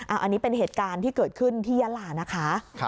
อันนี้เป็นเหตุการณ์ที่เกิดขึ้นที่ยาลานะคะ